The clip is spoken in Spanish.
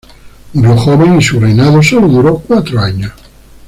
Murió joven y su reinado sólo duró cuatro años.